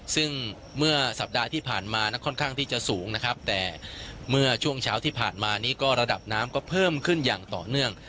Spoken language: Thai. ซึ่งเมื่อสัปดาห์ที่ผ่านมานั้นค่อนข้างที่จะสูงนะครับแต่เมื่อช่วงเช้าที่ผ่านมานี้ก็ระดับน้ำก็เพิ่มขึ้นอย่างต่อเนื่อง